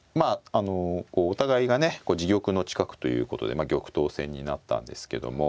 こうお互いがね自玉の近くということで玉頭戦になったんですけども。